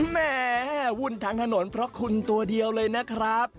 แม่วุ่นทางถนนเพราะคุณตัวเดียวเลยนะครับ